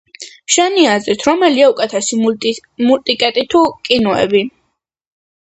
შენი აზრით რომელია უკეთესი მულტიკები თუ კინოები